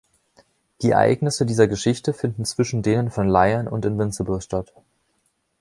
Die Ereignisse dieser Geschichte finden zwischen denen von „Lion“ und „Invincible“ statt.